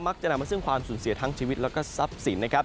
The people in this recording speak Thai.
มักจะนำมาต้นซึ่งความสูญเสียทางชีวิตและที่ทรัพย์สินนะครับ